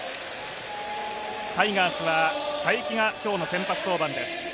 タイガースは才木が今日の先発登板です。